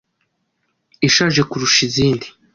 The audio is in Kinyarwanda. ishaje kurusha izindi